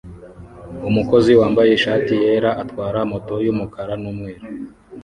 Umukozi wambaye ishati yera atwara moto yumukara numweru